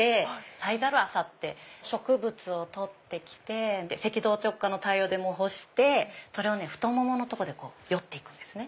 サイザル麻って植物を採ってきて赤道直下の太陽で干してそれを太もものとこでよっていくんですね。